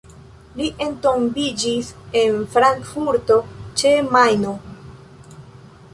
Li entombiĝis en Frankfurto ĉe Majno.